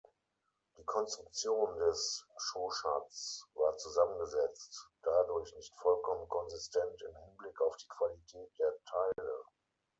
Die Konstruktion des Chauchats war zusammengesetzt, dadurch nicht vollkommen konsistent im Hinblick auf die Qualität der Teile.